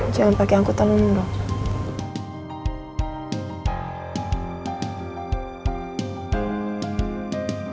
jangan pake angkutan lo nunggu